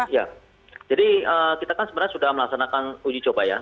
iya jadi kita kan sebenarnya sudah melaksanakan uji coba ya